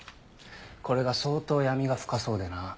これが相当闇が深そうでな。